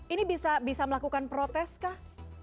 ini bisa melakukan protes kah